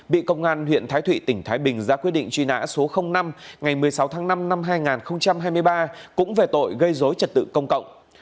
bị công an huyện thái thụy tỉnh thái bình ra quyết định truy nã số năm ngày một mươi sáu tháng năm năm hai nghìn hai mươi ba cũng về tội gây dối trật tự công cộng